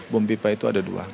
bom pipa itu ada dua